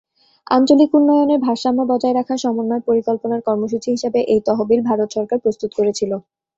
আঞ্চলিক উন্নয়নের ভারসাম্য বজায় রাখার সমন্বয় পরিকল্পনার কর্মসূচি হিসেবে এই তহবিল ভারত সরকার প্রস্তুত করেছিল।